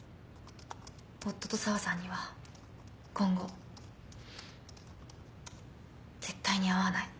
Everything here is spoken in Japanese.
夫と紗和さんには今後絶対に会わない。